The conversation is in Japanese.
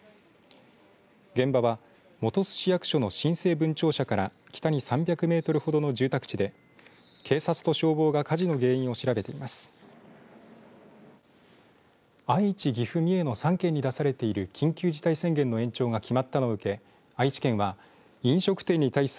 現場は本巣市市役所の真正分庁舎から北に３００メートルほどの住宅地で警察と消防が火事の原因を調べています。